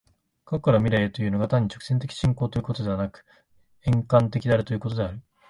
過去から未来へというのが、単に直線的進行ということでなく、円環的であるということである。